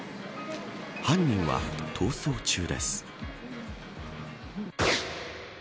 犯人は逃走中です。